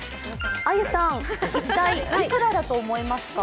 あゆさん、一体、いくらだと思いますか？